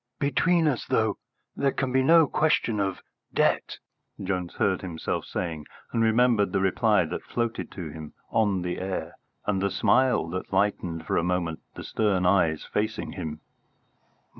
"Between us, though, there can be no question of debt," Jones heard himself saying, and remembered the reply that floated to him on the air and the smile that lightened for a moment the stern eyes facing him.